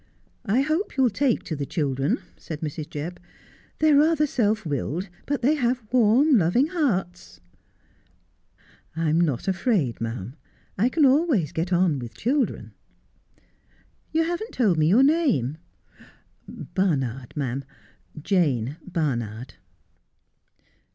' I hope you'll take to the children,' said Mrs. Jebb. ' They're rather self willed, but they have warm, loving hearts.' 184 Just as I Am. ' I'm not afraid, ma'am. I can always get on with children.' ' You haven't told me your name.' ' Barnard, ma'am. Jane Barnard.'